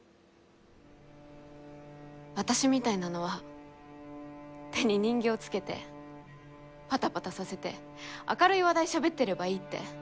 私みたいなのは手に人形つけてパタパタさせて明るい話題しゃべってればいいって。